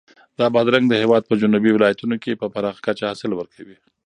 دا بادرنګ د هېواد په جنوبي ولایتونو کې په پراخه کچه حاصل ورکوي.